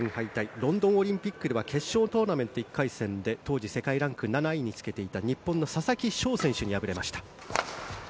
ロンドンオリンピックでは決勝トーナメント１回戦で当時世界ランク７位につけていた日本の佐々木翔選手に敗れました。